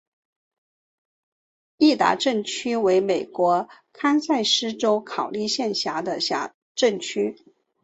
锡达镇区为美国堪萨斯州考利县辖下的镇区。